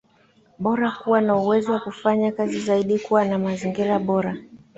bora na kuwa na uwezo wa kufanya kazi zaidi kuwa na mazingira bora